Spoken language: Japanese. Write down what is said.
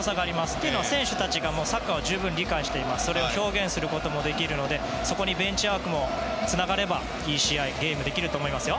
というのは、選手たちが十分にサッカーを理解して表現することもできているのでそこにベンチワークもつながればいい試合ができると思います。